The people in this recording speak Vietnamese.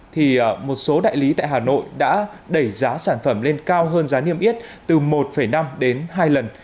thì một số đại lý tại hà nội đã đẩy giá sản phẩm lên cao hơn giá niêm yết từ một năm đến hai lần